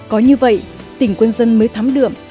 có như vậy tỉnh quân dân mới thắm đượm